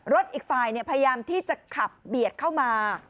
อีกฝ่ายพยายามที่จะขับเบียดเข้ามา